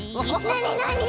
なになに？